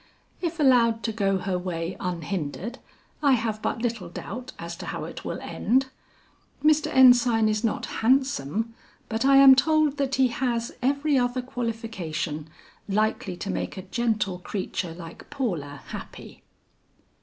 If allowed to go her way unhindered, I have but little doubt as to how it will end. Mr. Ensign is not handsome, but I am told that he has every other qualification likely to make a gentle creature like Paula happy."